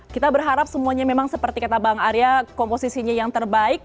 kita berharap semuanya memang seperti kata bang arya komposisinya yang terbaik